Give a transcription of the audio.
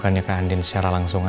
tapi aku gak mau mama tau